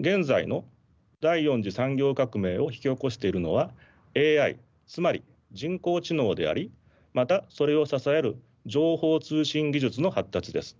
現在の第４次産業革命を引き起こしているのはＡＩつまり人工知能でありまたそれを支える情報通信技術の発達です。